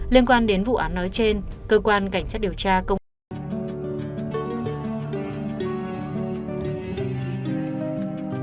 liên quan đến vụ án nói trên cơ quan cảnh sát điều tra công an thành phố hải phòng đã đưa ra quyết định chuyển vụ án hình sự đến cơ quan cảnh sát điều tra công an thành phố hải phòng